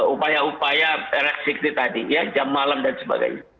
upaya upaya sakti tadi ya jam malam dan sebagainya